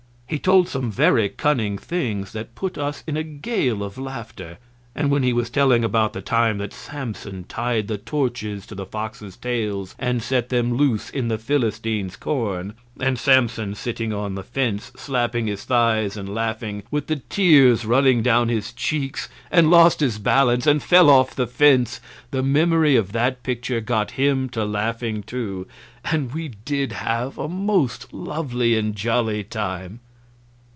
He told some very cunning things that put us in a gale of laughter; and when he was telling about the time that Samson tied the torches to the foxes' tails and set them loose in the Philistines' corn, and Samson sitting on the fence slapping his thighs and laughing, with the tears running down his cheeks, and lost his balance and fell off the fence, the memory of that picture got him to laughing, too, and we did have a most lovely and jolly time.